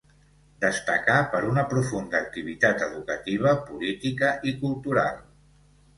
Destacà per una profunda activitat educativa, política i cultural.